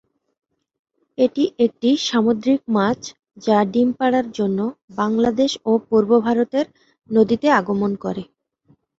এটি একটি সামুদ্রিক মাছ, যা ডিম পাড়ার জন্য বাংলাদেশ ও পূর্ব ভারতের নদীতে আগমন করে।